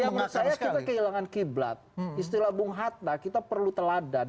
ya menurut saya kita kehilangan kiblat istilah bung hatta kita perlu teladan